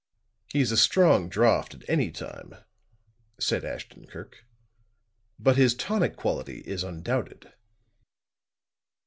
"He's a strong draught at any time," said Ashton Kirk. "But his tonic quality is undoubted."